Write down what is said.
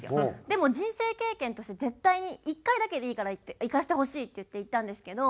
でも人生経験として絶対に１回だけでいいから行かせてほしいって言って行ったんですけど。